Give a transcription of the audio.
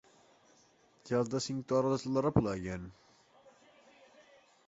Que els de Cinctorres l'arrepleguen?